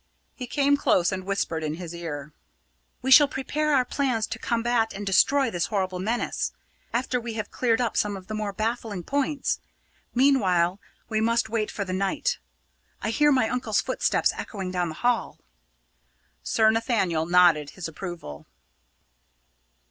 He came close and whispered in his ear: "We will prepare our plans to combat and destroy this horrible menace, after we have cleared up some of the more baffling points. Meanwhile, we must wait for the night I hear my uncle's footsteps echoing down the hall." Sir Nathaniel nodded his approval.